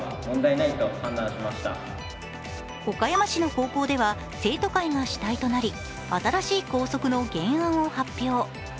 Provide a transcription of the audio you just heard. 岡山市の高校では生徒会が主体となり新しい校則の原案を発表。